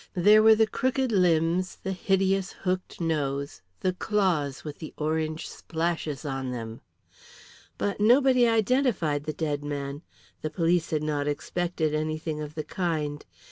There were the crooked limbs, the hideous hooked nose, the claws with the orange splashes on them. But nobody identified the dead man; the police had not expected anything of the kind.